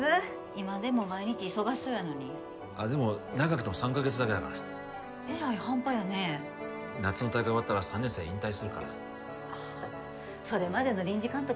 今でも毎日忙しそうやのにあっでも長くても３カ月だけだからえらい半端やね夏の大会終わったら３年生引退するからああそれまでの臨時監督